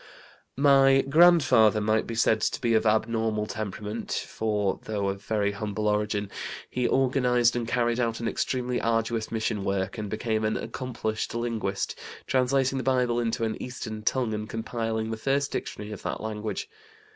"My grandfather might be said to be of abnormal temperament, for, though of very humble origin, he organized and carried out an extremely arduous mission work and became an accomplished linguist, translating the Bible into an Eastern tongue and compiling the first dictionary of that language.